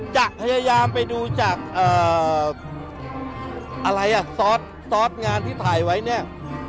จากพยายามไปดูจากซอสงานที่ถ่ายไว้เนี่ย